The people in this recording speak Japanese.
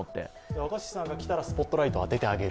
若新さんが来たらスポットライトを当ててあげる。